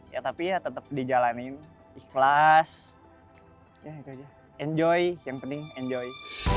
ya tapi ya tetap dijalanin ikhlas enjoy yang penting enjoy